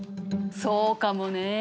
そうかもね。